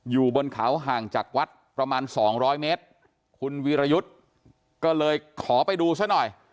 อยู่บนเขาห่างจากวัดประมาณสองร้อยเมตรคุณวีรยุทธ์ก็เลยขอไปดูซะหน่อย